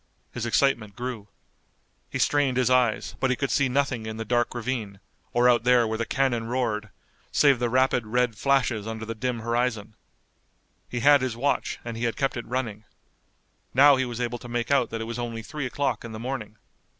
His excitement grew. He strained his eyes, but he could see nothing in the dark ravine, or out there where the cannon roared, save the rapid, red flashes under the dim horizon. He had his watch and he had kept it running. Now he was able to make out that it was only three o'clock in the morning.